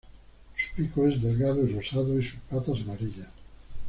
Su pico es delgado y rosado, y sus patas amarillas.